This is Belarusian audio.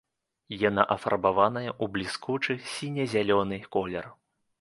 Яна афарбаваная ў бліскучы сіне-зялёны колер.